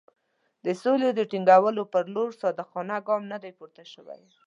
د سولې د ټینګولو پر لور صادقانه ګام نه دی پورته شوی.